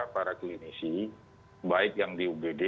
para klinisi baik yang di ugd